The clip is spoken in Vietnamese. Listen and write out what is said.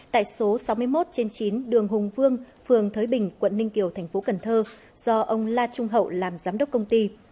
tại số sáu mươi một trên chín đường hùng vương phường thới bình quận ninh kiều thành phố cần thơ do ông la trung hậu làm giám đốc công ty